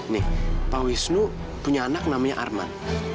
nih pak wisnu punya anak namanya arman